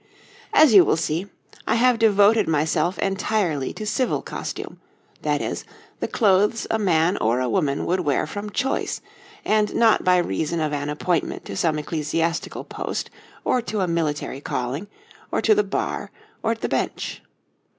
As you will see, I have devoted myself entirely to civil costume that is, the clothes a man or a woman would wear from choice, and not by reason of an appointment to some ecclesiastical post, or to a military calling, or to the Bar, or the Bench.